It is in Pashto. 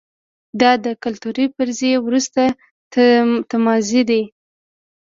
دا د کلتوري فرضیې وروستی تمځای دی.